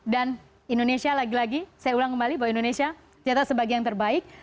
dan indonesia lagi lagi saya ulang kembali bahwa indonesia ternyata sebagai yang terbaik